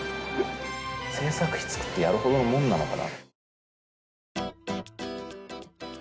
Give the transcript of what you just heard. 制作費作ってやるほどのもんなのかな。